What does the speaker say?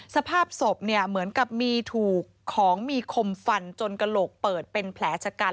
สภาพศพเนี่ยเหมือนกับมีถูกของมีคมฟันจนกระโหลกเปิดเป็นแผลชะกัน